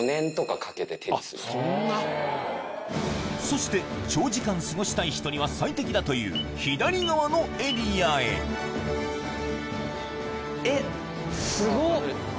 そして長時間過ごしたい人には最適だという左側のエリアへえっすごっ！